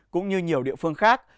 cũng như nhiều địa phương khác